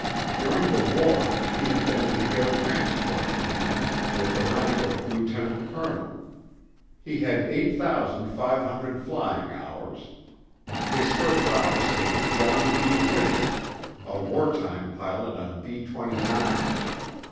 During the war, he had been in the Air Transport Command, with the rank of lieutenant colonel. He had 8,500 flying hours. His first officer was John B. Whitted, a wartime pilot on B 29's.